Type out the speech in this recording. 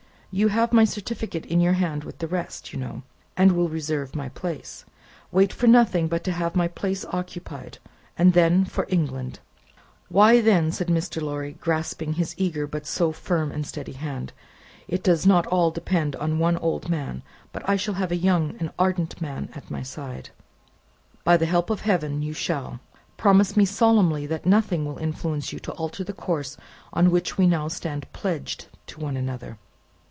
"You have my certificate in your hand with the rest, you know, and will reserve my place. Wait for nothing but to have my place occupied, and then for England!" "Why, then," said Mr. Lorry, grasping his eager but so firm and steady hand, "it does not all depend on one old man, but I shall have a young and ardent man at my side." "By the help of Heaven you shall! Promise me solemnly that nothing will influence you to alter the course on which we now stand pledged to one another."